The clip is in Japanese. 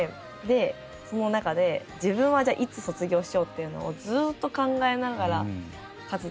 でその中で自分はじゃあいつ卒業しようっていうのをずっと考えながら活動してたんですよ。